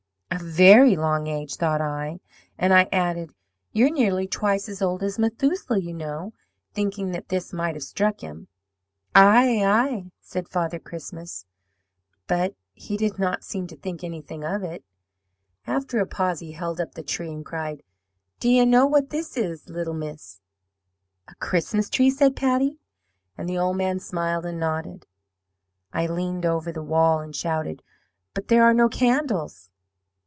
"A VERY long age, thought I, and I added, 'You're nearly twice as old as Methuselah, you know,' thinking that this might have struck him. "'Aye, aye,' said Father Christmas; but he did not seem to think anything of it. After a pause he held up the tree, and cried, 'D'ye know what this is, little miss?' "'A Christmas tree,' said Patty. "And the old man smiled and nodded. "I leant over the wall, and shouted, 'But there are no candles.'